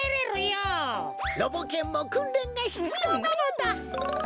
ロボ犬もくんれんがひつようなのだ。